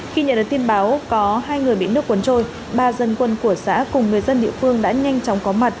khi nhận được tin báo có hai người bị nước cuốn trôi ba dân quân của xã cùng người dân địa phương đã nhanh chóng có mặt